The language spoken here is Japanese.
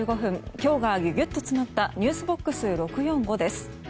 今日がギュギュッと詰まったｎｅｗｓＢＯＸ６４５です。